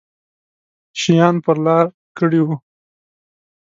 شیان پر لار کړي وو.